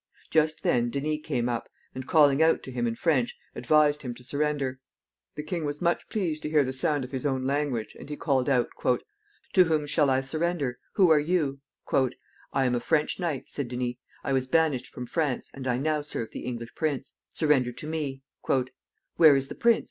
Just then Denys came up, and, calling out to him in French, advised him to surrender. The king was much pleased to hear the sound of his own language, and he called out, "To whom shall I surrender? Who are you?" "I am a French knight," said Denys; "I was banished from France, and I now serve the English prince. Surrender to me." "Where is the prince?"